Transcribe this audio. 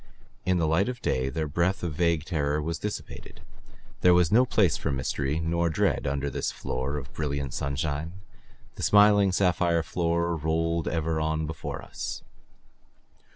In the light of day their breath of vague terror was dissipated. There was no place for mystery nor dread under this floor of brilliant sunshine. The smiling sapphire floor rolled ever on before us.